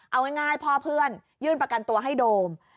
เอาง่ายพ่อเพื่อนยื่นประกันตัวให้โดม